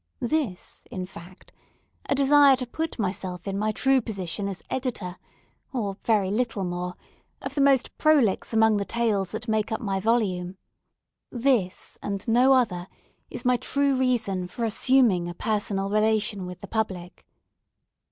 This, in fact—a desire to put myself in my true position as editor, or very little more, of the most prolix among the tales that make up my volume—this, and no other, is my true reason for assuming a personal relation with the public.